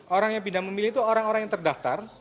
orang yang pindah memilih itu orang orang yang terdaftar